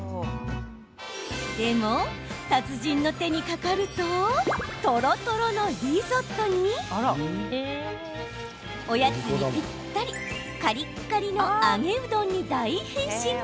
でも、達人の手にかかるととろとろのリゾットにおやつにぴったりカリカリの揚げうどんに大変身。